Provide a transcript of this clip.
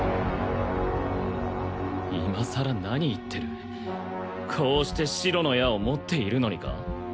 今さら何言ってるこうして白の矢を持っているのにか？